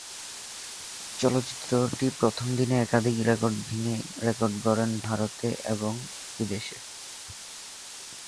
চলচ্চিত্রটি প্রথম দিনে একাধিক রেকর্ড ভেঙে রেকর্ড গড়েন ভারতে এবং বিদেশে।